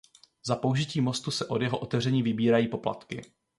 Za použití mostu se od jeho otevření vybírají poplatky.